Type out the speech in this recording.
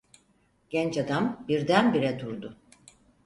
Genç adam birdenbire durdu.